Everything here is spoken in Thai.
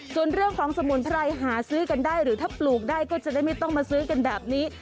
ส่วนเรื่องของสมุนไพรหาซื้อกันได้หรือถ้าปลูกได้ก็จะได้ไม่ต้องมาซื้อกันแบบนี้